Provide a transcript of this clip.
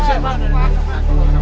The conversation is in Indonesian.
masa dulu pak